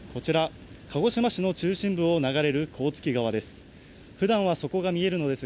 鹿児島市の中心部を流れる甲突川です。